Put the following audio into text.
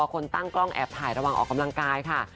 คนตั้งกล้องแอบถ่ายระหว่างออกกำลังกายค่ะ